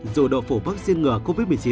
dù độ phủ vaccine ngừa covid một mươi chín